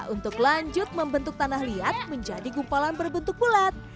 untuk lanjut membentuk tanah liat menjadi gumpalan berbentuk bulat